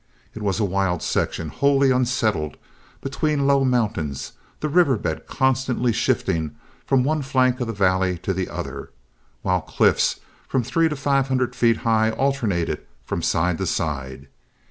It was a wild section, wholly unsettled, between low mountains, the river bed constantly shifting from one flank of the valley to the other, while cliffs from three to five hundred feet high alternated from side to side.